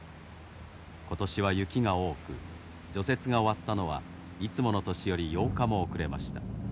今年は雪が多く除雪が終わったのはいつもの年より８日も遅れました。